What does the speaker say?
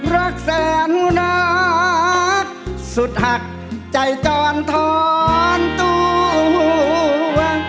รักแสนนัดสุดหักใจจรท้อนตัว